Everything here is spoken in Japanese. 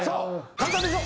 簡単でしょ？